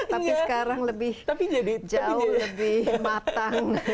tapi sekarang lebih jauh lebih matang